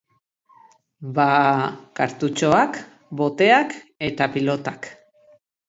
Ba kartutxoak, boteak eta pilotak.